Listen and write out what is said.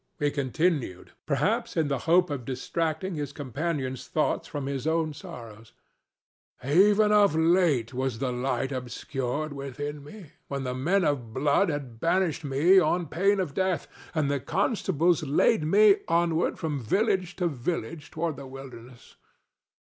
He continued, perhaps in the hope of distracting his companion's thoughts from his own sorrows: "Even of late was the light obscured within me, when the men of blood had banished me on pain of death and the constables led me onward from village to village toward the wilderness.